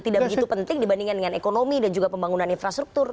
tidak begitu penting dibandingkan dengan ekonomi dan juga pembangunan infrastruktur